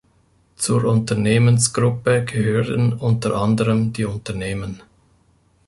Zur Unternehmensgruppe gehören unter anderem die Unternehmen